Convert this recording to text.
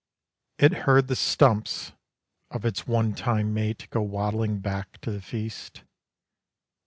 It heard the stumps of Its one time mate go waddling back to the Feast.